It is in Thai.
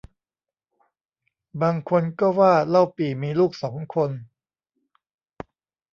บางคนก็ว่าเล่าปี่มีลูกสองคน